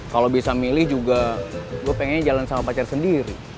kalau bisa milih juga gue pengennya jalan sama pacar sendiri